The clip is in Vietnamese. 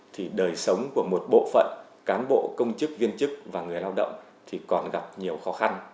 thì đời sống của một bộ phận cán bộ công chức viên chức và người lao động thì còn gặp nhiều khó khăn